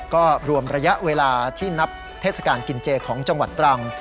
ก็รวมระยะเวลาที่นับเทศกาลกินเจของจังหวัดตรัง